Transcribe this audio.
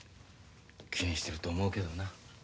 気にしてると思うけどな。